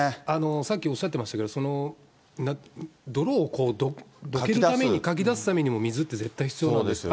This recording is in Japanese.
さっきおっしゃってましたけど、泥をかき出すためにも、水って絶対必要です。